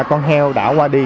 con heo đã qua đi